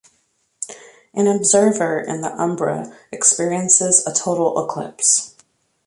An observer in the umbra experiences a total eclipse.